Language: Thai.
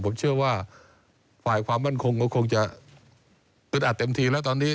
ผมเชื่อว่าฝ่ายความมั่นคงก็คงจะอึดอัดเต็มทีแล้วตอนนี้